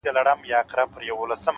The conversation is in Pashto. وخت د زحمت ارزښت څرګندوي؛